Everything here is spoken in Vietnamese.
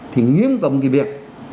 thì nghiêm cộng cái việc